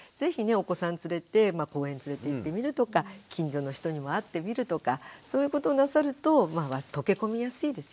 お子さん連れて公園連れて行ってみるとか近所の人にも会ってみるとかそういうことをなさると溶け込みやすいですよね。